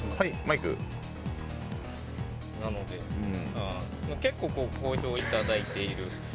なので結構ご好評いただいている。